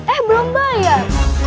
eh belum bayar